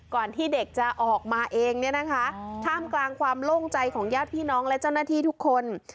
ที่เด็กจะออกมาเองเนี่ยนะคะท่ามกลางความโล่งใจของญาติพี่น้องและเจ้าหน้าที่ทุกคน